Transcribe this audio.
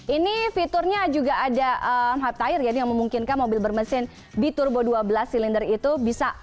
ini fiturnya juga ada hub tire yang memungkinkan mobil bermesin b turbo dua belas silinder itu bisa